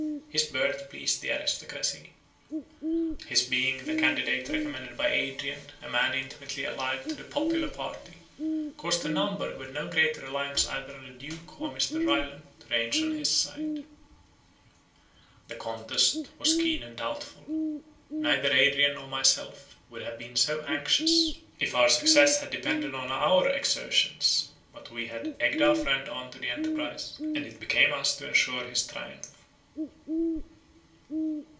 His birth pleased the aristocracy; his being the candidate recommended by Adrian, a man intimately allied to the popular party, caused a number, who had no great reliance either on the Duke or Mr. Ryland, to range on his side. The contest was keen and doubtful. Neither Adrian nor myself would have been so anxious, if our own success had depended on our exertions; but we had egged our friend on to the enterprise, and it became us to ensure his triumph.